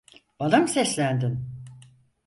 Bana mı seslendin?